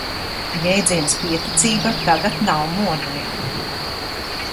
Jēdziens pieticība tagad nav modē.